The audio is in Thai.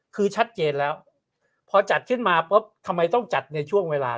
คือชัดเจนแล้วพอจัดขึ้นมาปุ๊บทำไมต้องจัดในช่วงเวลา